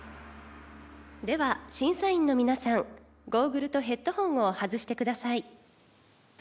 では審査員の皆さんゴーグルとヘッドホンを外してください。